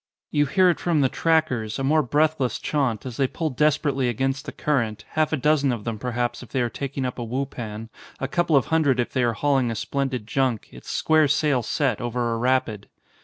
You hear it from the trackers, a more breathless chaunt, as they pull desperately against the current, half a dozen of them perhaps if they are taking up a wupan, a couple of hundred if they are hauling a splendid junk, its square sail set, over a rapid.